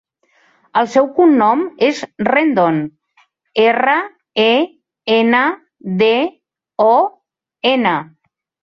El seu cognom és Rendon: erra, e, ena, de, o, ena.